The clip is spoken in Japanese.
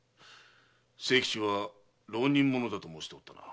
清吉は浪人者だと申しておったな。